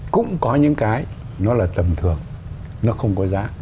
cũng có những cái nó là tầm thường nó không có giá